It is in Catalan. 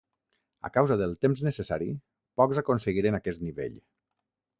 A causa del temps necessari, pocs aconseguiren aquest nivell.